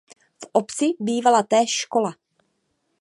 V obci bývala též škola.